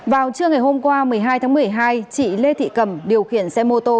vào trưa ngày hôm qua một mươi hai tháng một mươi hai chị lê thị cầm điều khiển xe mô tô